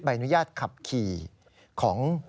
ใบอนุญาตขับขี่ของ